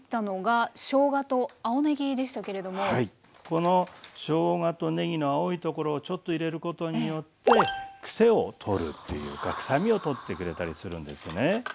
このしょうがとねぎの青いところをちょっと入れることによってくせを取るっていうか臭みを取ってくれたりするんですね。